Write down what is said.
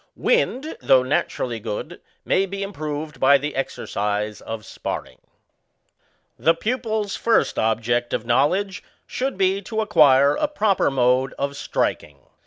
Wind, though naturally good, may be improved by the exercise of sparring. The pupil's first object of knowledge should be to acquire a proper mode of striking.